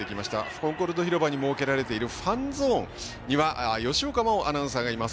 コンコルド広場に設けられているファンゾーンには吉岡真央アナウンサーがいます。